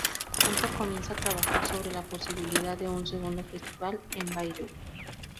Mientras tanto, comienza a trabajar sobre la posibilidad de un segundo festival en Bayreuth.